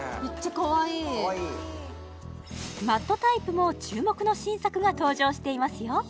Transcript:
かわいいかわいいマットタイプも注目の新作が登場していますよ